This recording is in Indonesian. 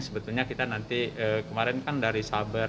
sebetulnya kita nanti kemarin kan dari saber